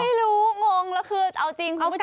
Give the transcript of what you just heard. งงแล้วคือเอาจริงคุณผู้ชม